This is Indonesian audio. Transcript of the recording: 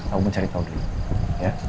aku mau cari tahu dulu ya